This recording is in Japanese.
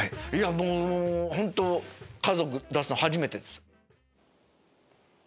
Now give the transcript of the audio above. もう本当家族出すの初めてです。